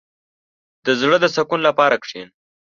• د زړۀ د سکون لپاره کښېنه.